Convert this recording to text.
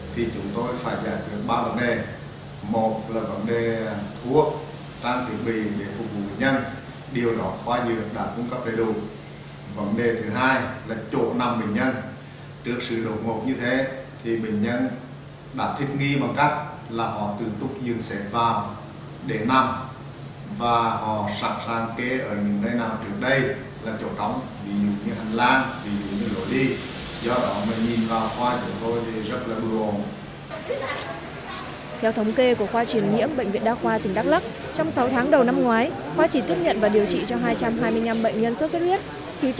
tại khoa truyền nhiễm của bệnh viện đa khoa tỉnh đắk lắc phòng bệnh nhân sốt xuất huyết nằm la liệt từ trong phòng bệnh nhân nằm la liệt từ trong phòng bệnh nhân nằm la liệt